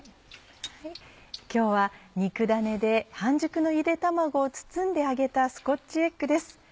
今日は肉ダネで半熟のゆで卵を包んで揚げたスコッチエッグです。